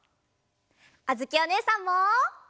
あづきおねえさんも！